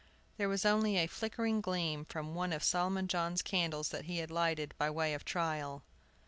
There was only a flickering gleam from one of Solomon John's candles that he had lighted by way of trial.